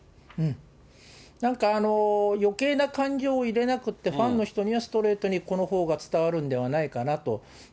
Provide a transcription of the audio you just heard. なんか、よけいな感情を入れなくって、ファンの人にはストレートに、このほうが伝わるんではないかなと。